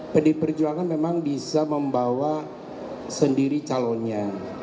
pdi perjuangan memang bisa membawa sendiri calonnya